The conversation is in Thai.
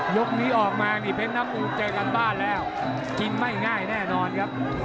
ยกนี้ออกมานี่เพชรน้ำมูลเจอกันบ้านแล้วกินไม่ง่ายแน่นอนครับ